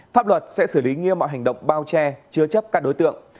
pháp luật sẽ xử lý nghiêm mọi hành động bao che chứa chấp các đối tượng